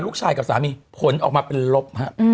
กับสามีผลออกมาเป็นลบ